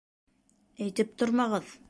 Әйтеп тормағыҙ!